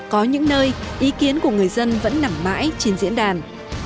có những nơi ý kiến của người dân vẫn nằm mãi trên diễn đàn